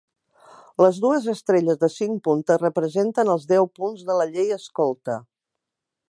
Les dues estrelles de cinc puntes representen els deu punts de la Llei Escolta.